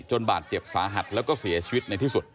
บาดเจ็บสาหัสแล้วก็เสียชีวิตในที่สุด